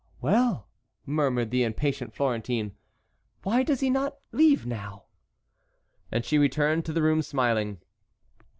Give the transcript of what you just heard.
"Well!" murmured the impatient Florentine; "why does he not leave now?" And she returned to the room smiling.